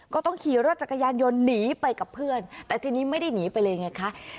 ก็ต้องขี่รถจักรยานยนต์หนีไปกับเพื่อนแต่ทีนี้ไม่ได้หนีไปเลยไงคะ